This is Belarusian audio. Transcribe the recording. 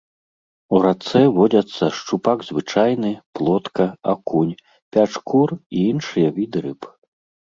У рацэ водзяцца шчупак звычайны, плотка, акунь, пячкур і іншыя віды рыб.